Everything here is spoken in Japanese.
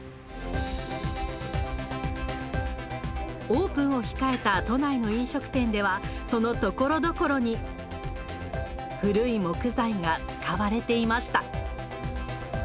オープンを控えた都内の飲食店ではそのところどころに古い木材が使われていました。